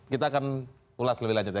kita akan ulas lebih lanjut ya